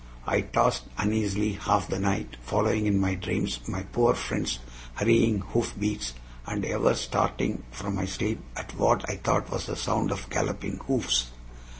I tossed uneasily half the night, following in my dreams my poor friend's hurrying hoofbeats, and ever starting from my sleep at what I thought was the sound of galloping hoofs.